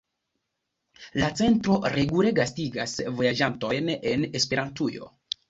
La centro regule gastigas vojaĝantojn en Esperantujo.